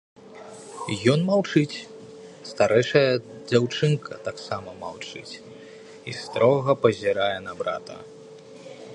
Ён маўчыць, старэйшая дзяўчынка таксама маўчыць і строга пазірае на брата.